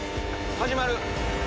始まる。